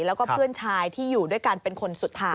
แล้วก็เพื่อนชายที่อยู่ด้วยกันเป็นคนสุดท้าย